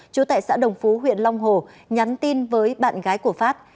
chú tại xã đồng phú huyện long hồ nhắn tin với bạn gái của phát